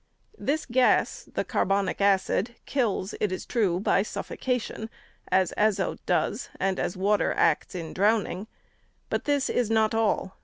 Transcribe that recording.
This gas — the 568 APPENDIX. carbonic acid — kills, it is true, by suffocation, as azote does, and as •water acts in drowning. But this is not all.